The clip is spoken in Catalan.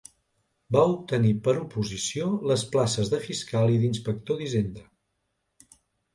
Va obtenir per oposició les places de Fiscal i d'Inspector d'Hisenda.